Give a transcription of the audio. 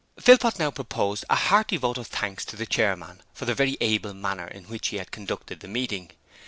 Philpot now proposed a hearty vote of thanks to the chairman for the very able manner in which he had conducted the meeting.